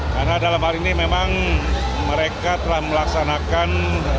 karena dalam hal ini memang mereka telah melaksanakan